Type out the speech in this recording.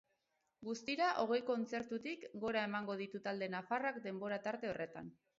Guztira, hogei kontzertutik gora emango ditu talde nafarrak denbora tarte horretan.